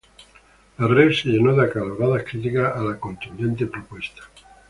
la Red se llenó de acaloradas críticas a la contundente propuesta